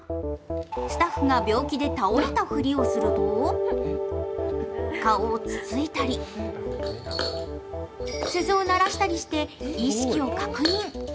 スタッフが病気で倒れたふりをすると顔をつついたり、鈴を鳴らしたりして意識を確認。